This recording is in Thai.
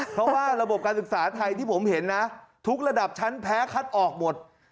เพราะว่าระบบการศึกษาไทยที่ผมเห็นนะทุกระดับชั้นแพ้คัดออกหมด